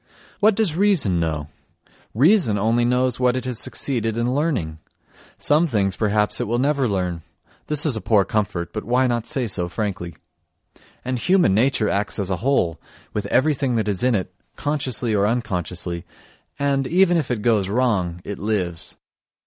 What does reason know? Reason only knows what it has succeeded in learning (some things, perhaps, it will never learn; this is a poor comfort, but why not say so frankly?) and human nature acts as a whole, with everything that is in it, consciously or unconsciously, and, even if it goes wrong, it lives.